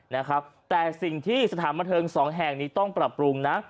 นะครับแต่สิ่งที่สถานบันเทิงสองแห่งนี้ต้องปรับปรุงนะ